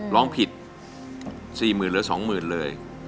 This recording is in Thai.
ร้องผิด๔๐๐๐เหลือ๒๐๐๐เลย